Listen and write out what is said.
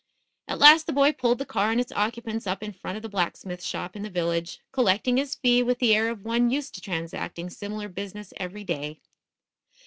At last the boy pulled the car and its occupants up in front of the blacksmith shop in the village, collecting his fee with the air of one used to transacting similar business every day.